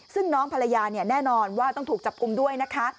ซึ่งน้องภรรยาเนี่ยแน่นอนว่าต้องถูกจับกลุ่มด้วยนะคะ